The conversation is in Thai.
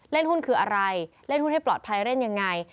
เล่นหุ้นคืออะไรเล่นหุ้นให้ปลอดภัยเล่นยังไง